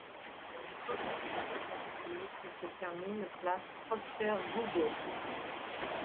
Elle commence rue Pasquier et se termine place Prosper-Goubaux.